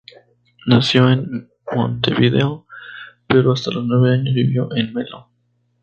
Nació en Montevideo pero hasta los nueve años vivió en Melo.